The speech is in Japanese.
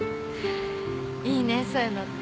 いいねそういうのって。